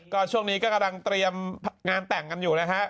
ก็ช่วงนี้ก็กำลังเตรียมงานแต่งกันอยู่นะฮะ